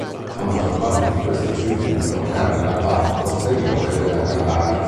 La maggior parte di questo circuito era nella parte posteriore della caldaia.